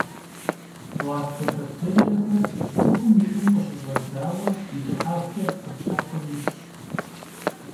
Лактобактериехэр – цӏыхум и ӏум къыщыщӏэдзауэ икӏыхьагъкӏэ ӏэпкълъэпкъым исщ.